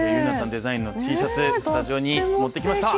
デザインのＴシャツ、スタジオに持ってきました。